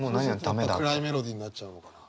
そうすると暗いメロディーになっちゃうのかな。